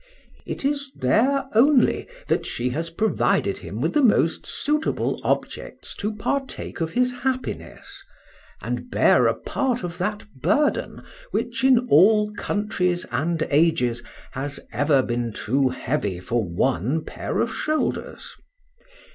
It is there only that she has provided him with the most suitable objects to partake of his happiness, and bear a part of that burden which in all countries and ages has ever been too heavy for one pair of shoulders.